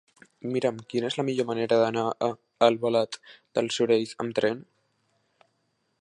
Mira'm quina és la millor manera d'anar a Albalat dels Sorells amb tren.